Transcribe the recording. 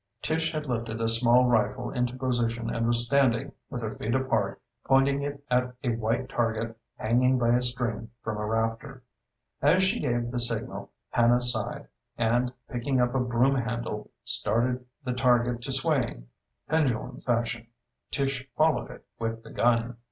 Tish had lifted a small rifle into position and was standing, with her feet apart, pointing it at a white target hanging by a string from a rafter. As she gave the signal. Hannah sighed, and, picking up a broomhandle, started the target to swaying, pendulum fashion; Tish followed it with the gun.